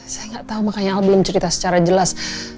saya gak tau makanya al belum cerita secara jelas